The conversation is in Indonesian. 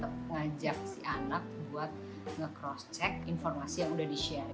mengajak si anak buat nge cross check informasi yang udah di share